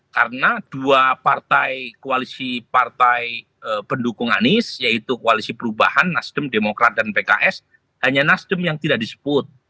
karena dua partai koalisi partai pendukung anis yaitu koalisi perubahan nasdem demokrat dan pks hanya nasdem yang tidak disebut